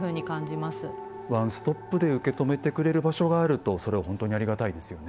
ワンストップで受け止めてくれる場所があるとそれは本当にありがたいですよね。